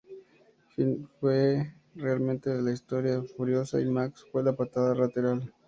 Fue realmente la historia de Furiosa, y Max fue la patada lateral.